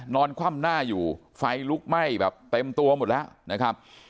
คว่ำหน้าอยู่ไฟลุกไหม้แบบเต็มตัวหมดแล้วนะครับ